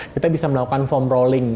kita bisa melakukan form rolling